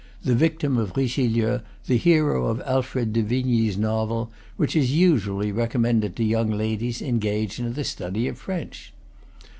the victim, of Richelieu, the hero of Alfred de Vigny's novel, which is usually re commended to young ladies engaged in the study of French.